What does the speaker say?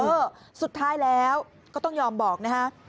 เออสุดท้ายแล้วก็ต้องยอมบอกนะฮะ